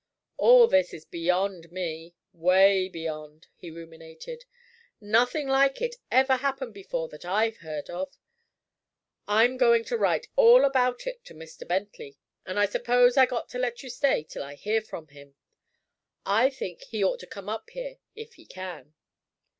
"All this is beyond me way beyond," he ruminated. "Nothing like it ever happened before that I've heard of. I'm going to write all about it to Mr. Bentley, and I suppose I got to let you stay till I hear from him. I think he ought to come up here, if he can."